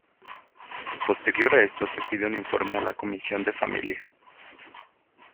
Posterior a esto se pide un informe a la Comisión de familia.